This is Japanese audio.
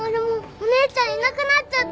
お姉ちゃんいなくなっちゃったよ。